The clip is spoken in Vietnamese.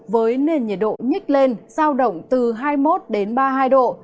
với nền nhiệt độ nhích lên giao động từ hai mươi một đến ba mươi hai độ